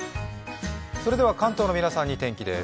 それでは関東の皆さんに天気です。